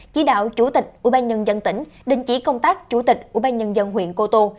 chỉ đạo chủ tịch ủy ban nhân dân tỉnh đình chỉ công tác chủ tịch ủy ban nhân dân huyện cô tô